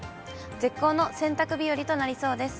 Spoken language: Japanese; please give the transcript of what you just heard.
絶好の洗濯日和となりそうです。